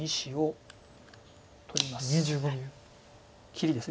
切りです。